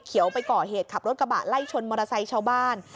ไปก่อเหตุขับรถกระบะไล่ชนมอเตอร์ไซค์ชาวบ้าน